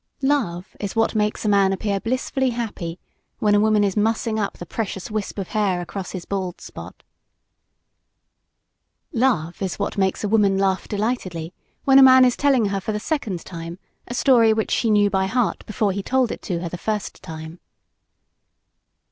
Love is what makes a man appear blissfully happy, when a woman is mussing up the precious wisp of hair across his bald spot. Love is what makes a woman laugh delightedly when a man is telling her for the second time, a story which she knew by heart before he told it to her the first time.